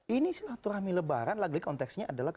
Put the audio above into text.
ini sih lah turahmi lebaran lagu konteksnya adalah